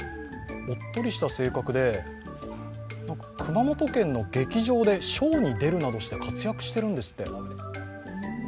おっとりした性格で熊本県の劇場でショーに出るなどして活躍してるんですって。